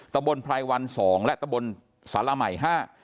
ตะบนไพรวัน๒และตะบนสาระไหม๕